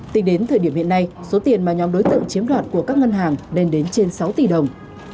tính đến thời điểm hiện nay số tiền mà nhóm đối tượng chiếm đoạt của các ngân hàng lên đến trên sáu tỷ đồng